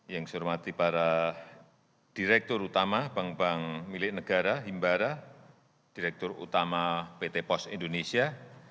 yang saya hormati para direktur utama bank bank milik negara himbara direktur utama pt pos indonesia